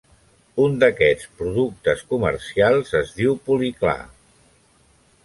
Un d'aquests productes comercials es diu Polyclar.